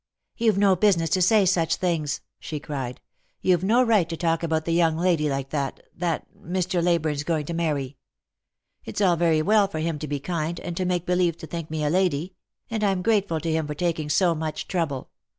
" You've no business to say such things," she cried ;" you've no right to talk about the young lady that — that — Mr. Ley burne's going to marry. It's all very well for him to be kind, and to make believe to think me a lady ; and I'm grateful to him for taking so much trouble.